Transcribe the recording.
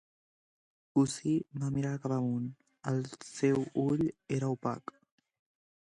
Gussie va mirar cap amunt. El seu ull era opac.